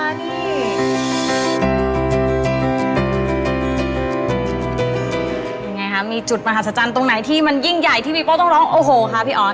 ยังไงคะมีจุดมหัศจรรย์ตรงไหนที่มันยิ่งใหญ่ที่พี่โป้ต้องร้องโอ้โหค่ะพี่ออส